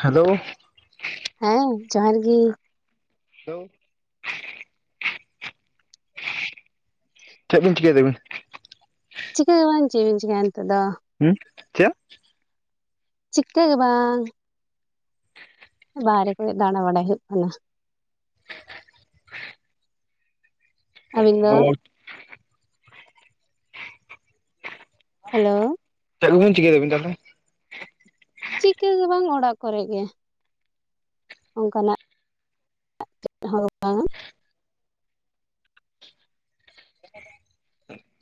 Hello ᱦᱮᱸ ᱡᱚᱦᱟᱨ ᱜᱮ ᱦᱮᱞᱳ ᱪᱮᱫ ᱵᱤᱱ ᱪᱤᱠᱟᱹᱭ ᱫᱟᱵᱤᱱ ᱪᱤᱠᱟᱹ ᱦᱚᱸ ᱵᱟᱝ ᱪᱮᱫ ᱵᱤᱱ ᱪᱤᱠᱟᱹᱭᱟ ᱱᱤᱛᱚᱜ ᱫᱚ ᱦᱩᱸ ᱪᱮᱫ ᱪᱤᱠᱟᱹ ᱜᱮ ᱵᱟᱝ ᱵᱟᱦᱨᱮ ᱠᱚᱨᱮ ᱫᱟᱬᱟ ᱵᱟᱲᱟᱭ ᱦᱩᱭᱩᱜ ᱠᱟᱱᱟ ᱟᱹᱵᱤᱱ ᱫᱚ ᱚ ᱦᱮᱞᱳ ᱪᱮᱫ ᱠᱚᱵᱤᱱ ᱪᱤᱠᱟᱹᱭ ᱟᱵᱤᱱ ᱛᱟᱦᱞᱮ ᱪᱤᱠᱟᱹ ᱜᱮ ᱵᱟᱝ ᱚᱲᱟᱜ ᱠᱚᱨᱮ ᱜᱮ ᱚᱱᱠᱟᱱᱟᱜ [inaudible]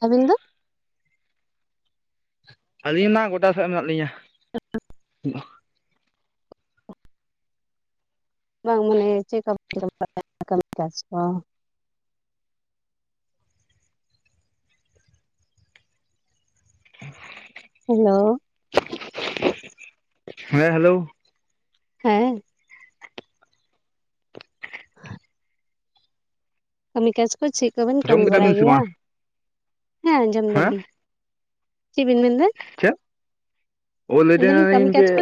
ᱟᱹᱵᱤᱱ ᱫᱚ ᱟᱹᱞᱤᱧ ᱢᱟ ᱜᱚᱴᱟ ᱥᱮᱫ ᱢᱮᱱᱟᱜ ᱞᱤᱧᱟ [inaudible] ᱵᱟᱝ ᱢᱟᱱᱮ ᱪᱮᱫ ᱠᱟᱢᱤ [unintelligible] ᱠᱟᱡᱽ ᱠᱚ ᱦᱮᱞᱳ ᱦᱮᱸ ᱦᱮᱞᱳ ᱦᱮᱸ ᱠᱟᱹᱢᱤ ᱠᱟᱡᱽ ᱠᱚ ᱪᱮᱫ ᱠᱚᱵᱮᱱ ᱠᱟᱹᱢᱤ ᱡᱚᱢ ᱠᱮᱫᱟ ᱵᱟᱲᱟᱭ ᱵᱤᱱ ᱥᱮ ᱜᱮᱭᱟ ᱵᱟᱝ ᱦᱮᱸ ᱟᱸᱡᱚᱢ ᱦᱮᱸ ᱫᱟᱞᱤᱧ ᱪᱮᱫ ᱵᱤᱱ ᱢᱮᱱᱫᱟ ᱪᱮᱫ? ᱚ ᱞᱟᱹᱭ ᱢᱮᱱᱫᱟᱞᱤᱧ ᱠᱟᱹᱢᱤ ᱫᱟᱞᱤᱧ ᱠᱟᱡᱽ ᱡᱮ ᱠᱚ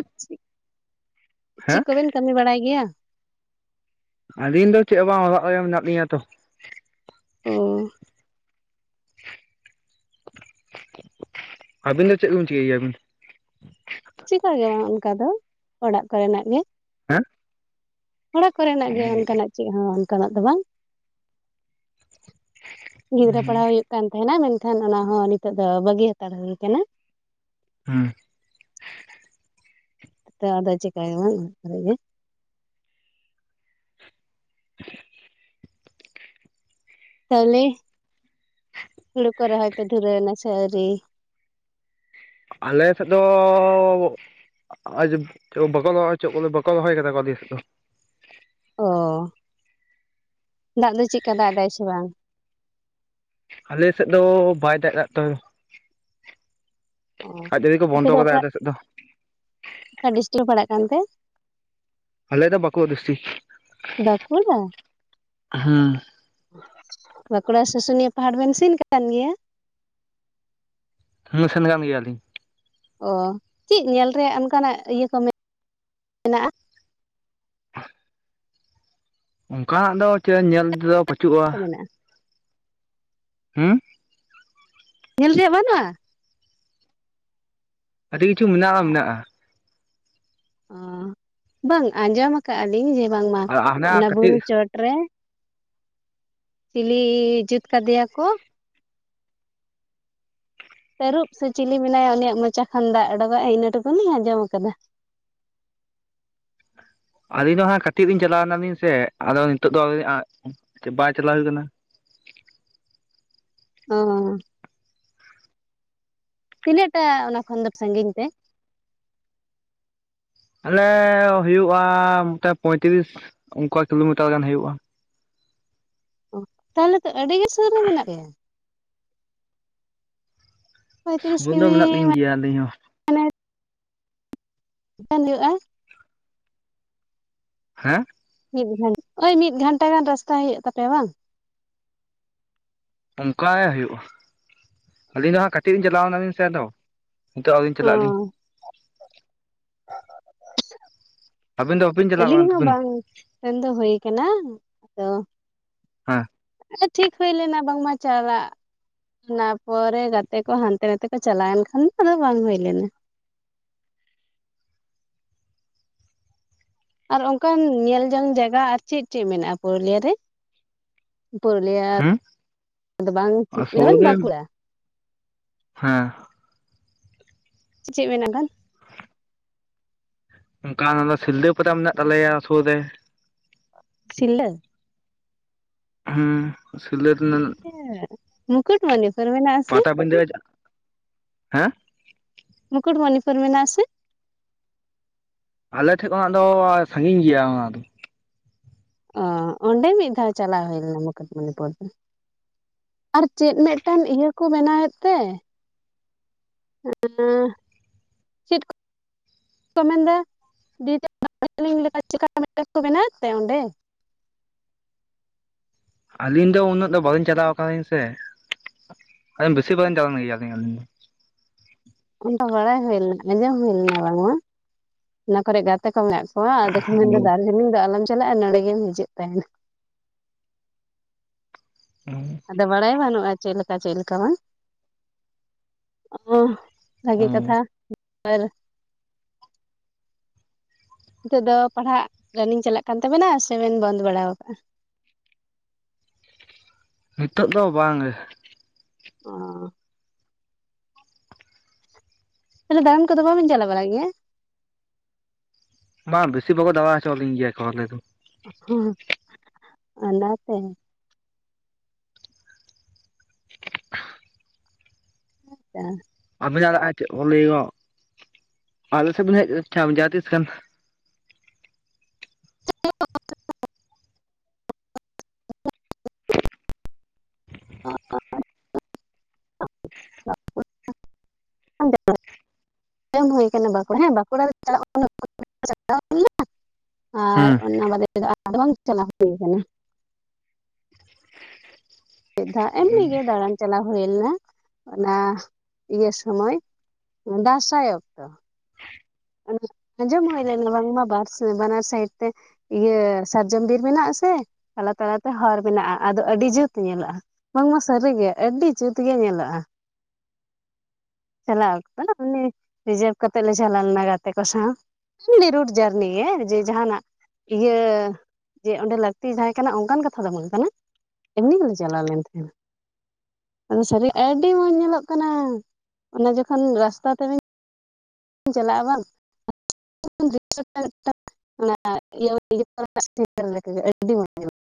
ᱦᱮᱸ ᱪᱮᱫ ᱠᱚᱵᱮᱱ ᱠᱟᱹᱢᱤ ᱵᱟᱲᱟᱭ ᱜᱮᱭᱟ ᱟᱹᱞᱤᱧ ᱫᱚ ᱪᱮᱫ ᱦᱚᱸ ᱵᱟᱝ ᱚᱲᱟᱜ ᱨᱮ ᱢᱮᱱᱟᱜ ᱞᱤᱧᱟ ᱛᱚ ᱚ ᱟᱹᱵᱤᱱ ᱫᱚ ᱪᱮᱫ ᱵᱤᱱ ᱪᱤᱠᱟᱹᱭ ᱜᱮᱭᱟᱵᱤᱱ ᱪᱤᱠᱟ ᱜᱮ ᱵᱟᱝ ᱚᱱᱠᱟ ᱫᱚ ᱚᱲᱟᱜ ᱠᱚ ᱨᱮᱱᱟᱜ ᱜᱮ ᱦᱮᱸ ᱚᱲᱟᱜ ᱠᱚ ᱨᱮᱱᱟᱜ ᱜᱮ ᱚᱱᱠᱟᱱᱟᱜ ᱪᱮᱫ ᱦᱚᱸ ᱚᱱᱠᱟᱱᱟᱜ ᱫᱚ ᱵᱟᱝ ᱜᱤᱫᱽᱨᱟᱹ ᱯᱟᱲᱟᱣ ᱦᱩᱭᱩᱜ ᱠᱟᱱ ᱛᱟᱦᱮᱱᱟ ᱢᱮᱱᱠᱷᱟᱱ ᱚᱱᱟ ᱦᱚᱸ ᱱᱤᱛᱚᱜ ᱫᱚ ᱵᱟᱹᱜᱤ ᱦᱟ. ᱛᱟᱲ ᱦᱩᱭ ᱠᱟᱱᱟ᱾ ᱦᱮᱸ ᱟᱫᱚ ᱟᱫᱚ ᱪᱤᱠᱟᱹᱭᱟ ᱚᱱᱟ ᱠᱚᱨᱮ ᱜᱮ᱾ [unintelligible] ᱛᱟᱦᱚᱞᱮ ᱦᱩᱲᱩ ᱠᱚ ᱨᱚᱦᱚᱭ ᱯᱮ ᱫᱷᱩᱨᱟᱹᱣ ᱮᱱᱟ ᱥᱮ ᱟᱣᱨᱤ? ᱟᱞᱮ ᱥᱮᱫ ᱫᱚ, ᱟᱫᱚ ᱵᱟᱠᱚ ᱨᱚᱦᱚᱭ ᱚᱪᱚ ᱵᱟᱠᱚ ᱨᱚᱦᱚᱭ ᱟᱠᱟᱫᱟ ᱟᱞᱮ ᱥᱮᱫ ᱫᱚ᱾ ᱚ ᱫᱟᱜ ᱫᱚ ᱪᱮᱫᱠᱟ ᱫᱟᱜ ᱮᱫᱟᱭ ᱥᱮ ᱵᱟᱝ? ᱟᱞᱮ ᱥᱮᱫ ᱫᱚ ᱵᱟᱭ ᱫᱟᱜ ᱮᱫᱟ ᱛᱚ᱾ ᱚ ᱟᱡ ᱡᱟᱹᱲᱤ ᱠᱚ ᱟᱯᱮ ᱵᱚᱱᱫᱚ ᱫᱚ ᱚᱠᱟ ᱠᱟᱫᱟ ᱟᱞᱮ ᱥᱮᱫ ᱫᱚ ᱚᱠᱟ ᱰᱤᱥᱴᱤᱠ ᱯᱮ ᱯᱟᱲᱟᱜ ᱠᱟᱱᱛᱮ? ᱟᱞᱮ ᱫᱚ ᱵᱟᱠᱩᱲᱟ ᱰᱤᱥᱴᱤᱠ᱾ ᱵᱟᱸᱠᱩᱲᱟ ᱦᱮᱸ ᱵᱟᱸᱠᱩᱲᱟ ᱥᱩᱥᱩᱱᱤᱭᱟᱹ ᱯᱟᱦᱟᱲ ᱵᱮᱱ ᱥᱤᱱ ᱟᱠᱟᱱ ᱜᱮᱭᱟ? ᱦᱩᱸ ᱥᱮᱱ ᱠᱟᱱ ᱜᱮᱭᱟᱞᱤᱧ ᱾ ᱚ, ᱪᱮᱫ ᱧᱮᱞ ᱨᱮᱭᱟᱜ ᱚᱱᱠᱟᱱᱟᱜ ᱤᱭᱟᱹ ᱠᱚ ᱢᱮᱱᱟᱜᱼᱟ? [unintelligible] ᱚᱱᱠᱟᱱᱟᱜ ᱫᱚ ᱪᱮᱫ ᱧᱮᱞ ᱛᱮᱫᱚ ᱯᱟᱹᱪᱩᱜᱼᱟ᱾ ᱠᱚ ᱢᱮᱱᱟᱜᱼᱟ ᱦᱩᱸ ᱧᱮᱞ ᱨᱮᱭᱟᱜ ᱵᱟᱹᱱᱩᱜᱼᱟ? ᱟᱹᱰᱤ ᱠᱤᱪᱷᱩ ᱢᱮᱱᱟᱜᱼᱟ ᱢᱮᱱᱟᱜᱼᱟ᱾ ᱚ ᱵᱟᱝ ᱟᱸᱡᱚᱢ ᱟᱠᱟᱫ ᱟᱞᱤᱧ ᱡᱮ ᱵᱟᱝᱢᱟ ᱟᱨ ᱦᱟᱱᱟ ᱚᱱᱟ ᱠᱟᱹᱴᱤᱡ ᱵᱩᱨᱩ ᱪᱚᱴ ᱨᱮ ᱪᱤᱞᱤ ᱡᱩᱛ ᱟᱠᱟᱫᱮᱭᱟ ᱠᱚ? ᱛᱟᱹᱨᱩᱵ ᱥᱮ ᱪᱤᱞᱤ ᱢᱮᱱᱟᱭᱟ ᱩᱱᱤᱭᱟᱜ ᱢᱚᱪᱟ ᱠᱷᱚᱱ ᱫᱟᱜ ᱚᱰᱚᱠᱚᱜᱼᱟ ᱤᱱᱟᱹ ᱴᱩᱠᱩᱞᱤᱧ ᱟᱸᱡᱚᱢ ᱟᱠᱟᱫᱟ᱾ ᱟᱹᱞᱤᱧ ᱫᱚ ᱦᱟᱸᱜ ᱠᱟᱹᱴᱤᱡ ᱞᱤᱧ ᱪᱟᱞᱟᱣ ᱞᱮᱱᱟᱞᱤᱧ ᱥᱮ ᱟᱫᱚ ᱱᱤᱛᱚᱜ ᱫᱚ ᱟᱸ ᱵᱟᱭ ᱪᱟᱞᱟᱣ ᱦᱩᱭ ᱠᱟᱱᱟ᱾ ᱚ ᱛᱤᱱᱟᱹᱜ ᱴᱟᱜ ᱚᱱᱟ ᱠᱷᱚᱱ ᱫᱚ ᱥᱟᱺᱜᱤᱧ ᱛᱮ? ᱟᱞᱮ ᱦᱩᱭᱩᱜᱼᱟ ᱢᱚᱴᱮ ᱯᱚᱸᱭᱛᱨᱤᱥ ᱚᱱᱠᱟ ᱠᱤᱞᱳᱢᱤᱴᱟᱨ ᱜᱟᱱ ᱦᱩᱭᱩᱜᱼᱟ᱾ ᱚ ᱛᱟᱦᱚᱞᱮ ᱛᱚ ᱟᱹᱰᱤᱜᱮ ᱥᱩᱨ ᱨᱮ ᱢᱮᱱᱟᱜ ᱯᱮᱭᱟ᱾ ᱯᱚᱸᱭᱛᱨᱤᱥ ᱥᱩᱵᱚᱱᱫᱷᱚ ᱠᱤᱢᱤ ᱢᱮᱱᱟᱜ ᱞᱤᱧ ᱜᱮᱭᱟ ᱟᱹᱞᱤᱧ ᱦᱚᱸ᱾ ᱵᱟᱝ ᱦᱩᱭᱩᱜᱼᱟ᱾ ᱦᱮᱸ ᱢᱤᱫ ᱜᱷᱚᱱᱴᱟ ᱳᱭ ᱢᱤᱫ ᱜᱷᱚᱱᱴᱟ ᱜᱟᱱ ᱨᱟᱥᱛᱟ ᱦᱩᱭᱩᱜ ᱛᱟᱯᱮᱭᱟ ᱵᱟᱝ? ᱚᱱᱠᱟ ᱜᱮ ᱦᱩᱭᱩᱜᱼᱟ ᱟᱹᱞᱤᱧ ᱫᱚ ᱦᱟᱸᱜ ᱠᱟᱹᱴᱤᱡ ᱨᱮ ᱞᱤᱧ ᱪᱟᱞᱟᱣ ᱮᱱᱟᱞᱤᱧ ᱥᱮ ᱟᱫᱚ ᱱᱤᱛᱚᱜ ᱟᱹᱞᱤᱧ ᱚ ᱪᱟᱞᱟᱜ ᱟᱞᱤᱧ᱾ ᱟᱹᱵᱤᱱ ᱫᱚ ᱵᱟᱹᱵᱤᱱ ᱪᱟᱞᱟᱣ ᱟᱹᱞᱤᱧ ᱠᱟᱱ ᱦᱚᱸ ᱛᱟᱹᱵᱤᱱ ᱵᱟᱝ ᱥᱮᱱ ᱫᱚ ᱦᱳᱭ ᱠᱟᱱᱟ ᱟᱫᱚ ᱦᱟᱸ ᱴᱷᱤᱠ ᱦᱩᱭ ᱞᱮᱱᱟ ᱵᱟᱝᱢᱟ ᱪᱟᱞᱟᱜ ᱚᱱᱟ ᱯᱚᱨᱮ ᱜᱟᱛᱮ ᱠᱚ ᱦᱟᱱᱛᱮ ᱱᱟᱛᱮ ᱠᱚ ᱪᱟᱞᱟᱣᱮᱱ ᱠᱷᱟᱱ ᱟᱫᱚ ᱵᱟᱝ ᱦᱩᱭ ᱞᱮᱱᱟ᱾ ᱟᱨ ᱚᱱᱠᱟᱱ ᱧᱮᱞ ᱡᱚᱝ ᱡᱟᱭᱜᱟ ᱟᱨ ᱪᱮᱫ ᱪᱮᱫ ᱢᱮᱱᱟᱜᱼᱟ ᱯᱩᱨᱩᱞᱤᱭᱟᱹ ᱨᱮ? ᱦᱩᱸ ᱯᱩᱨᱩᱞᱤᱭᱟᱹᱫᱚ ᱵᱟᱝ ᱪᱮᱫ ᱥᱩᱨ [unintelligible] ᱨᱮ ᱵᱟᱸᱠᱩᱲᱟ᱾ ᱦᱮᱸ ᱪᱮᱫ ᱢᱮᱱᱟᱜ ᱜᱟᱱ ᱚᱱᱠᱟ ᱚᱱᱟ ᱫᱚ ᱥᱤᱞᱫᱟᱹ ᱯᱟᱛᱟ ᱢᱮᱱᱟᱜ ᱛᱟᱞᱮᱭᱟ ᱥᱩᱨ ᱨᱮ᱾ ᱥᱤᱞᱫᱟᱹ ᱦᱩᱸ ᱥᱤᱞᱫᱟᱹ ᱨᱮᱱᱟᱜ ᱢᱩᱠᱩᱴᱢᱩᱱᱤᱯᱩᱨ ᱢᱮᱱᱟᱜ ᱟᱥᱮ? ᱯᱟᱴᱟᱵᱤᱸᱫᱟᱹ ᱦᱮᱸ ᱢᱩᱠᱩᱴᱢᱩᱱᱤᱯᱩᱨ ᱢᱮᱱᱟᱜ ᱟᱥᱮ? ᱟᱞᱮᱴᱷᱮᱱ ᱠᱷᱚᱱᱟᱜ ᱫᱚ ᱥᱟᱺᱜᱤᱧ ᱜᱮᱭᱟ ᱚᱱᱟ ᱫᱚ᱾ ᱚ ᱚᱸᱰᱮ ᱢᱤᱫ ᱫᱷᱟᱣ ᱪᱟᱞᱟᱣ ᱦᱩᱭ ᱞᱮᱱᱟ ᱢᱩᱠᱩᱴᱢᱩᱱᱤᱯᱩᱨ ᱫᱚ᱾ ᱟᱨ ᱪᱮᱫ ᱢᱤᱫᱴᱟᱝ ᱤᱭᱟᱹ ᱠᱚ ᱵᱮᱱᱟᱣᱮᱫ ᱛᱮ? ᱦᱮ ᱪᱮᱫ ᱪ ᱠᱚ ᱢᱮᱱᱫᱟ [unintelligible] ᱞᱮᱠᱟ [inaudible] ᱯᱞᱤᱢ ᱪᱮᱠᱟ ᱢᱮᱴᱟᱜ ᱠᱚ ᱵᱮᱱᱟᱣ ᱛᱮ ᱚᱸᱰᱮ? ᱟᱹᱞᱤᱧ ᱫᱚ ᱩᱱᱟᱹᱜ ᱫᱚ ᱵᱟᱹᱞᱤᱧ ᱪᱟᱞᱟᱣ ᱟᱠᱟᱱᱟ ᱞᱤᱧ ᱥᱮ ᱵᱤᱥᱤ ᱵᱟᱞᱤᱧ ᱪᱟᱬᱣᱭᱟ ᱜᱯᱭᱤ ᱟᱹᱞᱤᱧ ᱫᱚ ᱚᱱᱠᱟ ᱵᱟᱲᱟᱭ ᱦᱩᱭ ᱞᱮᱱᱟ ᱟᱸᱡᱚᱢ ᱦᱩᱭ ᱞᱮᱱᱟ ᱵᱟᱝᱢᱟ ᱚᱱᱟ ᱠᱚᱨᱮ ᱜᱟᱛᱮ ᱠᱚ ᱢᱮᱱᱟᱜ ᱵᱟ ᱟᱫᱚ ᱠᱚ ᱢᱮᱱ ᱫᱟ ᱫᱟᱨᱡᱤᱞᱤᱝ ᱫᱚ ᱟᱞᱚᱢ ᱪᱟᱞᱟᱜᱼᱟ ᱱᱚᱸᱰᱮ ᱜᱮᱢ ᱦᱤᱡᱩᱜ ᱛᱟᱦᱮᱱᱟ ᱾ ᱦᱩ ᱟᱫᱚ ᱵᱟᱲᱟᱭ ᱵᱟᱱᱩᱜ-ᱟ ᱪᱮᱫᱞᱮᱠᱟᱹ ᱪᱮᱫ ᱞᱮᱠᱟ ᱵᱟᱝ ᱚ ᱵᱷᱟᱹᱜᱤ ᱫᱚ ᱠᱟᱛᱷᱟ ᱟᱨ ᱱᱤᱛᱚᱜ ᱫᱚ ᱯᱟᱲᱦᱟᱜ ᱨᱟᱱᱤᱝ ᱪᱟᱞᱟᱜ ᱠᱟᱱ ᱛᱟᱵᱮᱱᱟ ᱥᱮᱵᱮᱱ ᱵᱚᱱᱫᱚ ᱵᱟᱲᱟ ᱟᱠᱟᱜ-ᱟ ᱱᱤᱛᱚᱜ ᱫᱚ ᱵᱟᱝ ᱚᱸ ᱛᱟᱞᱮ ᱫᱟᱬᱟᱱ ᱠᱚᱫᱚ ᱵᱟᱵᱮᱱᱢ ᱪᱞᱟᱣ ᱵᱟᱲᱟᱜ ᱜᱮᱭᱟ? ᱵᱟᱝ ᱵᱮᱥᱤ ᱵᱷᱟᱜᱽ ᱫᱟ ᱦᱚᱪᱚᱣᱟᱤᱧ ᱜᱮᱭᱟ ᱠᱚ ᱟᱞᱮ ᱫᱚ ᱦᱸ ᱚᱱᱟᱛᱮ [unintelligible] ᱟᱵᱮᱱᱟᱜ ᱪᱟᱞᱟᱜᱼᱟ ᱪᱮᱫ ᱠᱚ ᱞᱟᱹᱭ ᱜ ᱟᱞᱮ ᱥᱮᱫ ᱵᱮᱱ ᱦᱮᱡ ᱠᱷᱟ ᱢᱟᱦᱟ ᱛᱤᱥ ᱠᱷᱟᱱ [unintelligible] ᱮᱢ ᱦᱩᱭ ᱟᱠᱟᱱᱟ ᱵᱟᱸᱠᱩᱲᱟ ᱮᱸ ᱵᱟᱸᱠᱩᱲᱟ ᱨᱮ ᱪᱟ ᱞᱟ ᱟᱨ ᱦᱮᱸ ᱚᱱᱟ ᱵᱟᱫᱮ ᱟᱫᱚ ᱵᱟᱝ ᱪᱟᱞᱟᱣ ᱦᱩᱭᱩ ᱠᱟᱱᱟ ᱢᱤᱫ ᱫᱷᱟᱣ ᱮᱢᱱᱤ ᱜᱮ ᱫᱟᱲᱟᱱ ᱪᱟᱞᱟᱣ ᱦᱩᱭ ᱞᱮᱱᱟ ᱚᱱᱟ ᱤᱭᱟᱹ ᱥᱢᱚᱭ ᱫᱟᱸᱥᱟᱭ ᱚᱠᱛᱚ ᱟᱱᱡᱚᱢ ᱩᱭ ᱞᱮᱱᱟ ᱵᱟᱝ ᱢᱟᱝᱢᱟ ᱵᱟᱨ ᱥᱮ ᱵᱟᱱᱟᱨ ᱥᱟᱭᱤᱰ ᱛᱮ ᱤᱭᱟᱹ ᱥᱟᱨᱡᱚᱢ ᱵᱤᱨ ᱢᱮᱱᱟᱜ ᱟᱥᱮ ᱛᱟᱞᱟ ᱛᱟᱞᱟ ᱛᱮ ᱦᱚᱨ ᱢᱮᱱᱟᱜ-ᱟ ᱟᱫᱚ ᱟᱹᱰᱤ ᱡᱩᱛ ᱧᱮᱞᱚᱜ-ᱟ ᱵᱟᱝᱢᱟ ᱥᱟᱹᱨᱤᱜᱮ ᱟᱹᱰᱤ ᱡᱩᱛ ᱜᱮ ᱧᱮᱞᱚᱜᱼᱟ ᱾ ᱪᱟᱞᱟᱣ ᱚᱠᱛᱚ ᱩᱱᱤ ᱨᱤᱡᱟᱹᱵᱷ ᱠᱟᱛᱮᱜ ᱞᱮ ᱪᱟᱞᱟᱣ ᱞᱮᱱᱟ ᱜᱟᱛᱮ ᱠᱚ ᱥᱟᱶ ᱾ ᱮᱢᱱᱤ ᱨᱩᱴ ᱡᱟᱨᱱᱤᱮ ᱜᱮ ᱡᱮ ᱡᱟᱦᱟᱱᱟᱜ ᱤᱭᱟᱹ ᱡᱮ ᱚᱸᱰᱮ ᱞᱟᱹᱠᱛᱤ ᱛᱟᱦᱮᱸ ᱠᱟᱱᱟ ᱚᱱᱠᱟᱱ ᱠᱟᱛᱷᱟ ᱫᱚ ᱵᱟᱝ ᱠᱟᱱᱟ ᱮᱢᱱᱤ ᱜᱮᱞᱮ ᱪᱟᱞᱟᱣ ᱞᱮᱱ ᱛᱟᱦᱮᱸᱱᱟ ᱟᱫᱚ ᱥᱟᱹᱨᱤ ᱟᱹᱰᱤ ᱢᱚᱸᱡᱽ ᱧᱮᱞᱚᱜ ᱠᱟᱱᱟ ᱾ ᱚᱱᱟ ᱡᱚᱠᱷᱚᱱ ᱨᱟᱥᱛᱟ ᱛᱮᱵᱤᱱ ᱪᱟᱞᱟᱜ-ᱟ ᱵᱟᱝ ᱚᱱᱟ [unintelligible] ᱟᱹᱰᱤ ᱢᱚᱡ ᱧᱮᱞᱚᱜ-ᱟ